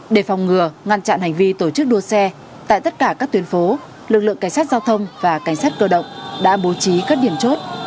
để phòng ngừa ngăn chặn hành vi tổ chức đua xe tại tất cả các tuyến phố lực lượng cảnh sát giao thông và cảnh sát cơ động đã bố trí các điểm chốt